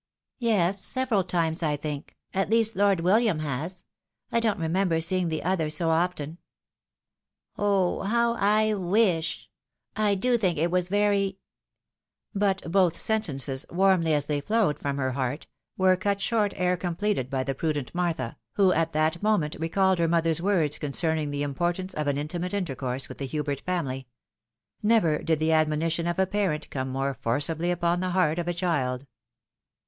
" Yes, several times, I think — at least Lord WiUiam has. I don't remember seeing the other so often." " Oh ! how I wish ?— ^I do think it was very —" But both sentences, warmly as they flowed from her heart, were cut short ere completed by the prudent Martha, who at that moment recalled her mother's words concerning the importance of an intimate intercourse with the Hubert family. Never did the admonition of a parent come more forcibly upon the heart of a child.